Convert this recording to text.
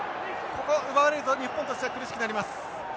ここを奪われると日本としては苦しくなります。